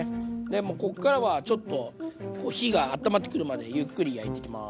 もうこっからはちょっと火があったまってくるまでゆっくり焼いていきます。